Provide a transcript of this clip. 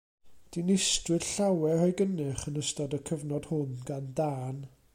Dinistriwyd llawer o'i gynnyrch yn ystod y cyfnod hwn gan dân.